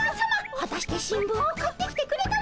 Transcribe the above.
はたして新聞を買ってきてくれたのでしょうか？